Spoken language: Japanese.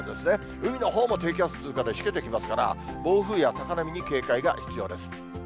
海のほうも低気圧通過で、しけてきますから、暴風や高波に警戒が必要です。